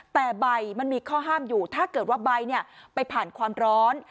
แต่ใบมันมีข้อห้ามอยู่ถ้าเกิดว่าใบไปผ่านความร้อน